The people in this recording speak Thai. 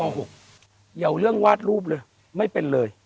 เอาเรื่องวาดรูปเลยไม่เป็นเลย